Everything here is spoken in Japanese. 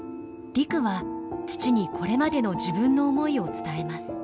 陸は父にこれまでの自分の思いを伝えます。